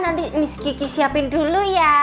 nanti miss kiki siapin dulu ya